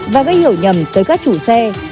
và gây hiểu nhầm tới các chủ xe